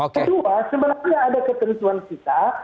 kedua sebenarnya ada ketentuan kita